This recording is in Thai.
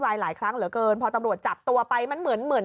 หลายครั้งเหลือเกินพอตำรวจจับตัวไปมันเหมือนเหมือน